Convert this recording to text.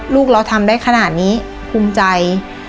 ลูกเราทำได้ขนาดนี้ภูมิใจ